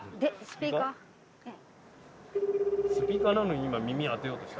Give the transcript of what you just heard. スピーカーなのに今耳当てようとした？